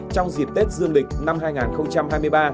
trong dịp tết dương lịch năm hai nghìn hai mươi ba